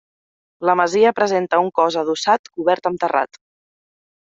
La masia presenta un cos adossat cobert amb terrat.